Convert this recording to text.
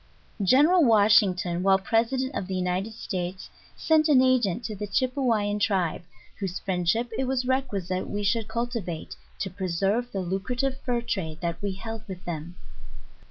GENERAL WASHINGTON, while President of the United States sent an agent to the Chypewyan Tribe, whose friend ship it was requisite we should cultivate, to preserve the lu crative fur trade that we held with them.